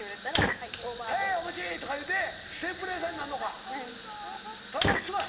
はいお待ち！とか言うて天ぷら屋さんになんのか。楽しそうやな。